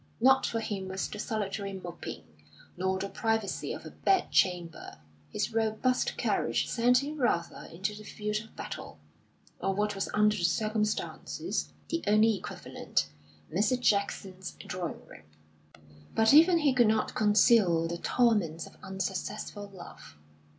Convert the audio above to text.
Not for him was the solitary moping, nor the privacy of a bedchamber; his robust courage sent him rather into the field of battle, or what was under the circumstances the only equivalent, Mrs. Jackson's drawing room. But even he could not conceal the torments of unsuccessful love.